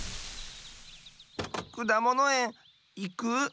くだものえんいく？